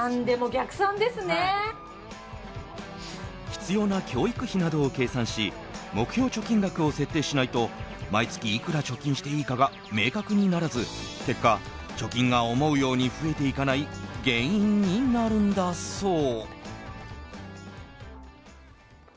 必要な教育費などを計算し目標貯金額を設定しないと毎月いくら貯金していいかが明確にならず結果、貯金が思うように増えていかない原因になるんだそう。